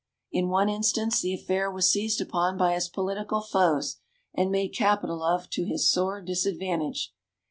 In one instance, the affair was seized upon by his political foes, and made capital of to his sore disadvantage.